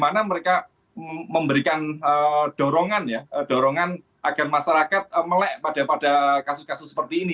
bagaimana mereka memberikan dorongan ya dorongan agar masyarakat mel ek pada kasus kasus seperti ini